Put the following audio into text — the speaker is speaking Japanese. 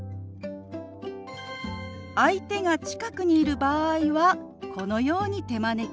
相手が近くにいる場合はこのように手招き。